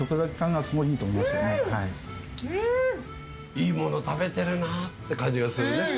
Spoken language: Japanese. いいもの食べてるなって感じがするね。